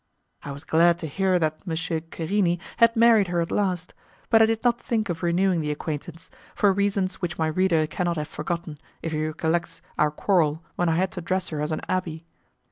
I was glad to hear that M. Querini had married her at last, but I did not think of renewing the acquaintance, for reasons which my reader cannot have forgotten if he recollects our quarrel when I had to dress her as an abbé.